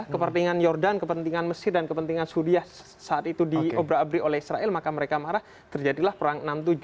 kepentingan jordan kepentingan mesir dan kepentingan sudia saat itu diobra abri oleh israel maka mereka marah terjadilah perang enam puluh tujuh